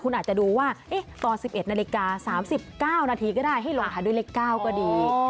คุณอาจจะดูว่าตอน๑๑นาฬิกา๓๙นาทีก็ได้ให้ลงท้ายด้วยเลข๙ก็ดี